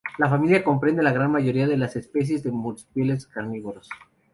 La familia comprende la gran mayoría de las especies de marsupiales carnívoros.